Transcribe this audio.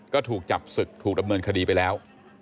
ก็ถูกจับศึกถูกดำเนินคดีไปแล้ว